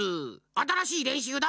あたらしいれんしゅうだ！